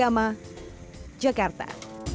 dari agama jakarta